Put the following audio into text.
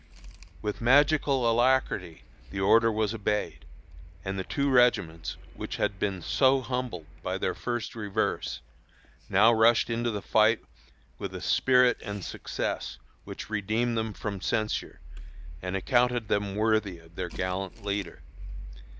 With magical alacrity the order was obeyed, and the two regiments, which had been so humbled by their first reverse, now rushed into the fight with a spirit and success which redeemed them from censure, and accounted them worthy of their gallant leader.